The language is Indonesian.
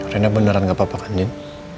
rena beneran gak apa apa kan ini